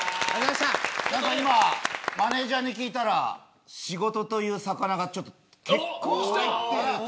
今、マネジャーに聞いたら仕事という魚が、ちょっと結構入ってる。